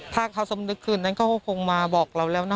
ถ้าเขาสำนึกคืนนั้นเขาก็คงมาบอกเราแล้วนะ